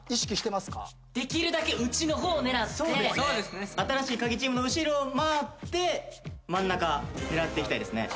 できるだけ内の方を狙って新しいカギチームの後ろを回って真ん中狙っていきたいですね。